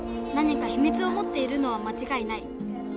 なにか秘密をもっているのはまちがいない。